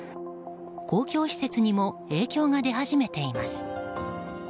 公共施設にも影響が出始めています。